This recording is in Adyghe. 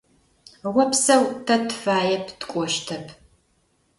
Опсэу, тэ тыфаеп, тыкӏощтэп.